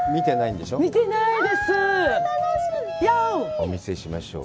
お見せしましょう。